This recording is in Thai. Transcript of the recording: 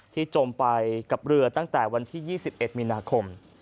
จมไปกับเรือตั้งแต่วันที่๒๑มีนาคม